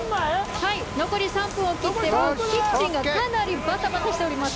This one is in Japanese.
はい残り３分を切ってもうキッチンがかなりバタバタしております